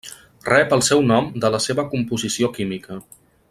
Rep el seu nom de la seva composició química.